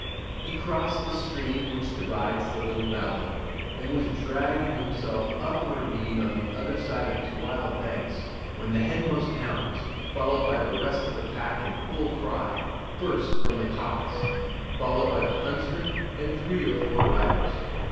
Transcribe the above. He crossed the stream which divides the little valley, and was dragging himself up a ravine on the other side of its wild banks, when the headmost hounds, followed by the rest of the pack in full cry, burst from the coppice, followed by the huntsman and three or four riders.